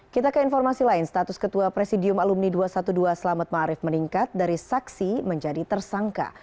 kita ke informasi lain status ketua presidium alumni dua ratus dua belas selamat ⁇ maarif ⁇ meningkat dari saksi menjadi tersangka